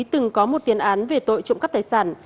từng có một tiền án về tội trộm cắp tài sản